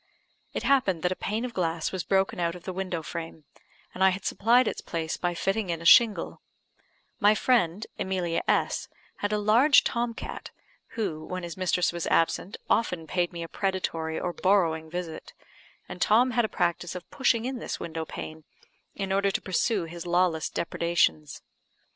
It happened that a pane of glass was broken out of the window frame, and I had supplied its place by fitting in a shingle; my friend Emilia S had a large Tom cat, who, when his mistress was absent, often paid me a predatory or borrowing visit; and Tom had a practice of pushing in this wooden pane, in order to pursue his lawless depredations.